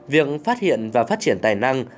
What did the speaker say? việc phát hiện và phát triển tài năng